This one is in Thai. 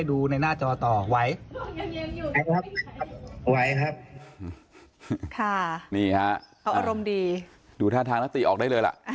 ดูท่านทางนักติออกได้เลยล่ะ